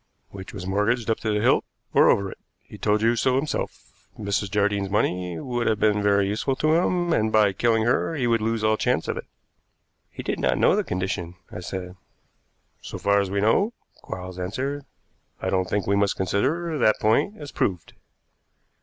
"Which was mortgaged up to the hilt or over it; he told you so himself. Mrs. Jardine's money would have been very useful to him, and by killing her he would lose all chance of it." "He did not know the condition," I said. "So far as we know," Quarles answered. "I don't think we must consider that point as proved.